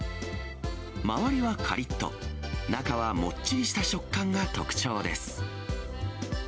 周りはかりっと、中はもっちりした食感が特徴です。